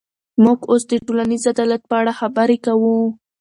موږ اوس د ټولنیز عدالت په اړه خبرې کوو.